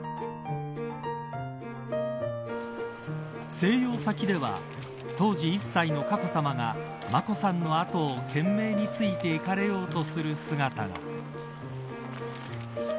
静養先では当時１歳の佳子さまが眞子さんの後を懸命について行かれようとする姿が。